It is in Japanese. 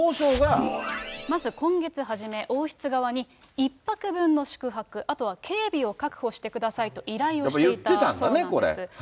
まず今月初め、王室側に１泊分の宿泊、あとは警備を確保してくださいと依頼をしていたそうなんです。